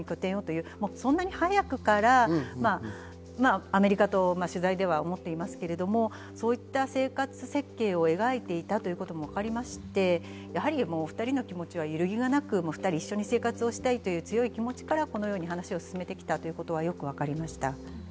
そんな早くからアメリカと取材には思ってますけれども、そういった生活設計を描いていたということも分かりまして、２人の気持ちは揺るぎがなく、一緒に生活したいという強い気持ちから話を進められてきたことがよく分かりました。